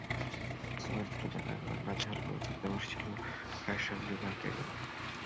Swine flu যেন একবারে নাজেহাল করে দিতে বসেছিল ফ্যাশন ডিভার ক্যারিয়ারকে।